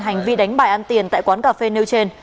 hành vi đánh bài ăn tiền tại quán cà phê nêu trên